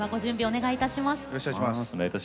お願いいたします。